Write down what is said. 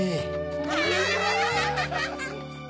ハハハ！